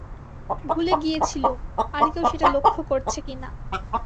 ভুলে গিয়েছিলুম আর-কেউ সেটা লক্ষ্য করছে কি না।